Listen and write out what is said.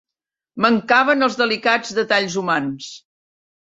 Mancaven els delicats detalls humans!